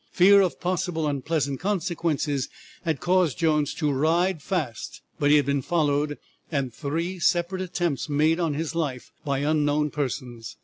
Fear of possible unpleasant consequences had caused Jones to ride fast, but he had been followed and three separate attempts made on his life by unknown persons.